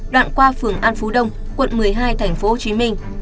đoạn qua phường an phú đông quận một mươi hai tp hcm